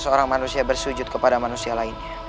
seorang manusia bersujud kepada manusia lainnya